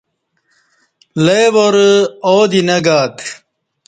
لے وار آو دی نہ گاتہ